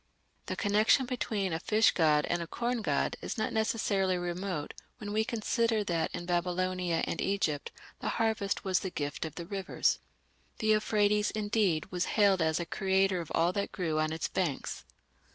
The connection between a fish god and a corn god is not necessarily remote when we consider that in Babylonia and Egypt the harvest was the gift of the rivers. The Euphrates, indeed, was hailed as a creator of all that grew on its banks.